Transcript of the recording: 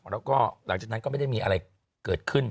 แล้วก็หลังจากนั้นก็ไม่ได้มีอะไรเกิดขึ้น